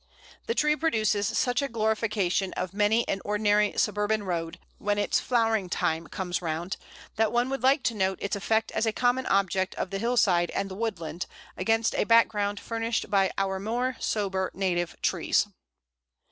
The tree produces such a glorification of many an ordinary suburban road, when its flowering time comes round, that one would like to note its effect as a common object of the hillside and the woodland, against a background furnished by our more sober native trees.